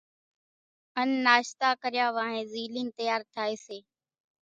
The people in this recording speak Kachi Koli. ان ناشتا ڪريا وانھين زيلين تيار ٿائي سي۔